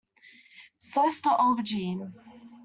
Slice the aubergine.